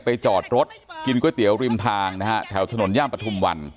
จอดรถกินก๋วยเตี๋ยวริมทางนะฮะแถวถนนย่านปฐุมวัน